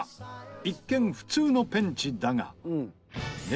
一見普通のペンチだが。